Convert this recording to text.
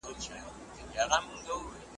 هغه ځای چي تا یې کړي دي نکلونه ,